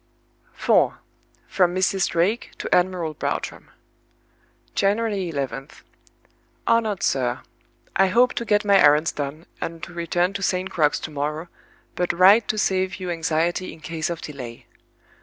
IV. From Mrs. Drake to Admiral Bartram. "January 11th. "HONORED SIR, "I hope to get my errands done, and to return to St. Crux to morrow, but write to save you anxiety, in case of delay.